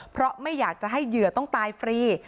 เพราะไม่อยากจะให้เหยื่อต้องตายฟรี